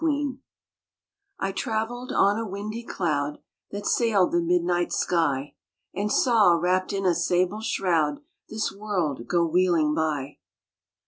Cfcueen I TRAVELLED on a windy cloud That sailed the midnight sky, And saw, wrapped in a sable shroud, This world go wheeling by.